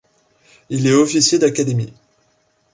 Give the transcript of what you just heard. Il est officier d'Académie.